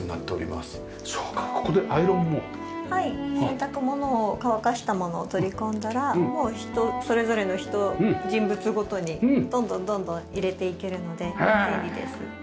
洗濯物を乾かしたものを取り込んだらもうそれぞれの人物ごとにどんどんどんどん入れていけるので便利です。